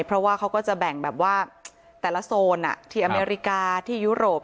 เพราะว่าเขาก็จะแบ่งแบบว่าแต่ละโซนที่อเมริกาที่ยุโรป